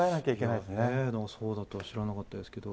でもそうだとは知らなかったですけれども。